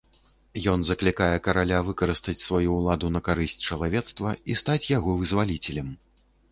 Ён заклікае караля выкарыстаць сваю ўладу на карысць чалавецтва і стаць яго вызваліцелем.